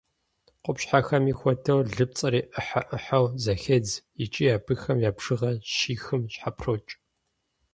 Къупщхьэхэми хуэдэу, лыпцӏэри ӏыхьэ-ӏыхьэу зэхедз, икӏи абыхэм я бжыгъэр щихым щхьэпрокӏ.